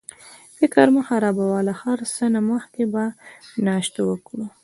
فکر مه خرابوه، له هر څه نه مخکې به ناشته وکړو.